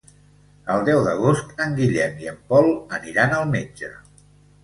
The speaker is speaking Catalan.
El deu d'agost en Guillem i en Pol aniran al metge.